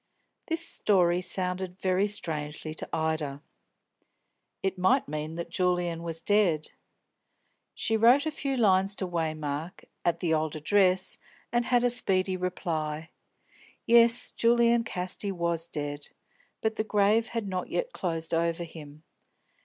This story sounded very strangely to Ida. It might mean that Julian was dead. She wrote a few lines to Waymark, at the old address, and had a speedy reply. Yes, Julian Casti was dead, but the grave had not yet closed over him.